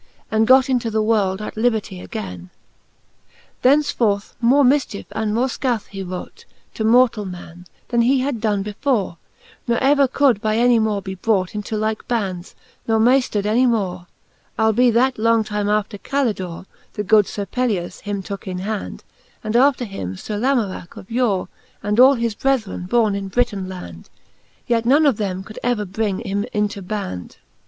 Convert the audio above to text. And got into the world at liberty againe. XXXIX. Thence Canto XII. the Faerie Slueem, 397 XXXIX. Thenceforth more mifchiefe and more fcath he wrought To mortall men, then he had done before 3 Ne ever could by any more be brought Into like bands, ne mayftred any more : Albe that long time after Calidore, The good Sir Pelleas him tooke in hand, And after him Sir Lamoracke of yore, And all his brethren borne in Britaine land ; Yet none of them could ever bring him into band.